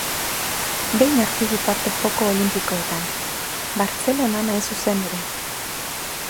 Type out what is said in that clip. Behin hartu du parte Joko Olinpikoetan: Bartzelonan hain zuzen ere.